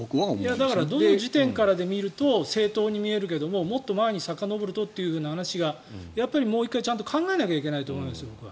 どの時点からで見ると正当に見えるけれどももっと前にさかのぼるとという話がやっぱり、もう１回考えなきゃいけないと思います。